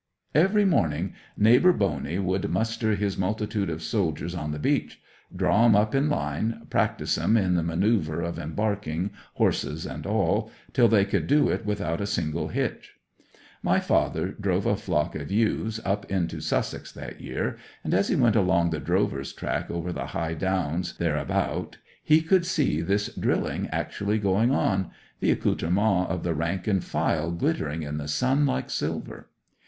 'Every morning Neighbour Boney would muster his multitude of soldiers on the beach, draw 'em up in line, practise 'em in the manoeuvre of embarking, horses and all, till they could do it without a single hitch. My father drove a flock of ewes up into Sussex that year, and as he went along the drover's track over the high downs thereabout he could see this drilling actually going on—the accoutrements of the rank and file glittering in the sun like silver.